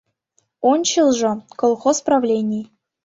Ончылжо — колхоз правлений.